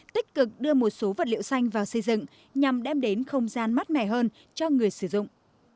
tích cực đưa một số vật liệu xanh vào xây dựng nhằm đem đến không gian mát mẻ hơn cho người sử dụng